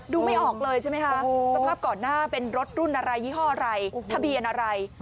ดูไม่ออกเลยใช่ไหมสภาพก่อนหน้ามันรถรุ่นอะไรยี่ห้ออะไร